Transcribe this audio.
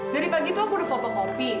dari pagi itu aku udah fotokopi